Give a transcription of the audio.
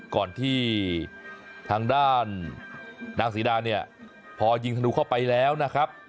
ก่อนที่ทางด้านนางศรีดาเนี่ยพอยิงธนูเข้าไปแล้วนะครับ